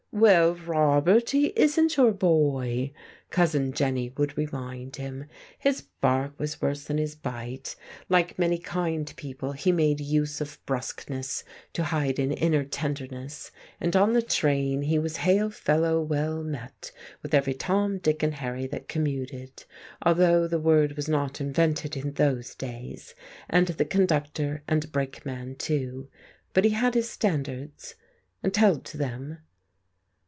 "Well, Robert, he isn't your boy," Cousin Jenny would remind him.... His bark was worse than his bite. Like many kind people he made use of brusqueness to hide an inner tenderness, and on the train he was hail fellow well met with every Tom, Dick and Harry that commuted, although the word was not invented in those days, and the conductor and brakeman too. But he had his standards, and held to them....